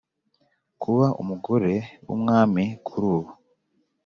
kuba umugore wumwami kurubu